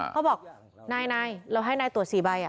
เขาบอกนายเราให้นายตรวจ๔ใบ